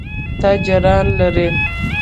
تاجران لري.